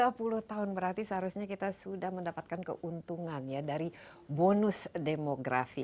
tiga puluh tahun berarti seharusnya kita sudah mendapatkan keuntungan ya dari bonus demografi